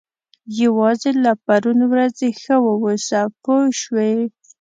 یوازې له پرون ورځې ښه واوسه پوه شوې!.